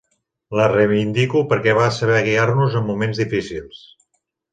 La reivindico perquè va saber guiar-nos en moments difícils.